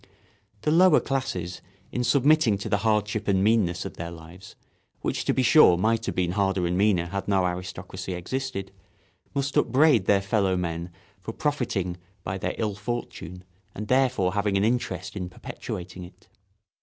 The lower classes, in submitting to the hardship and meanness of their lives—which, to be sure, might have been harder and meaner had no aristocracy existed—must upbraid their fellow men for profiting by their ill fortune and therefore having an interest in perpetuating it.